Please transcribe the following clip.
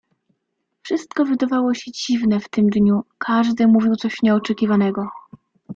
"Wszystko wydawało się dziwne w tym dniu; każdy mówił coś nieoczekiwanego."